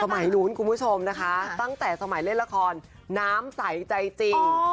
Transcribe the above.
ลุ้นคุณผู้ชมนะคะตั้งแต่สมัยเล่นละครน้ำใสใจจริง